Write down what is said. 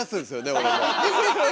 俺も。